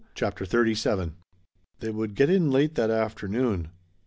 CHAPTER XXXVII They would get in late that afternoon.